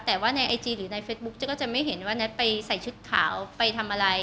แต่ว่าในไอจีหรือในเฟซบุ๊กเจ๊ก็จะไม่เห็นว่าแท็ตไปใส่ชุดขาวไปทำอะไร